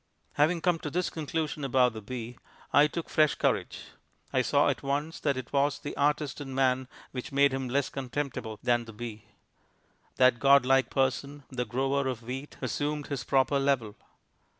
Having come to this conclusion about the bee, I took fresh courage. I saw at once that it was the artist in Man which made him less contemptible than the Bee. That god like person the grower of wheat assumed his proper level.